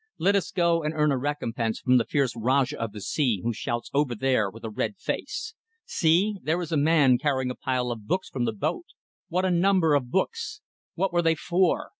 Let us go and earn a recompense from the fierce Rajah of the Sea who shouts over there, with a red face. See! There is a man carrying a pile of books from the boat! What a number of books. What were they for? ..